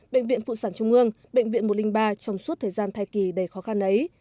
bệnh viện phụ sản trung ương bệnh viện một trăm linh ba trong suốt thời gian thai kỳ đầy khó khăn ấy